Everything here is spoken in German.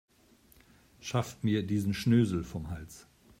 Schafft mir diesen Schnösel vom Hals.